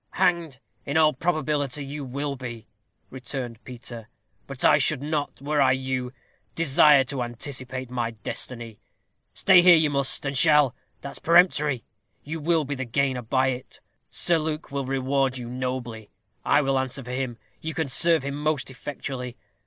"Hanged, in all probability, you will be," returned Peter; "but I should not, were I you, desire to anticipate my destiny. Stay here you must, and shall that's peremptory. You will be the gainer by it. Sir Luke will reward you nobly. I will answer for him. You can serve him most effectually.